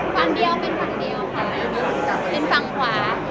คว้างเดียวเป็นคว้างเดียวค่ะเป็นฝั่งขวา